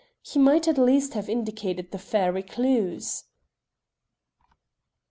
He might at least have indicated the fair recluse."